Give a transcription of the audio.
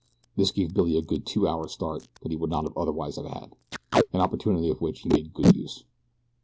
This gave Billy a good two hours' start that he would not otherwise have had an opportunity of which he made good use.